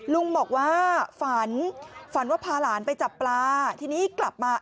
ลุงบอกว่าฝันฝันว่าพาหลานไปจับปลาทีนี้กลับมา